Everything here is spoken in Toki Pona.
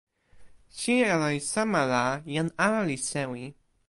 sijelo li sama la, jan ala li sewi.